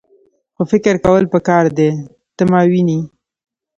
خو فکر کول پکار دي . ته ماوینې؟